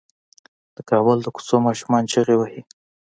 د کابل د کوڅو ماشومان چيغې وهي.